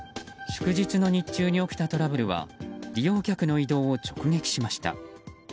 祝日の日中に起きたトラブルは利用客の移動を直撃しました。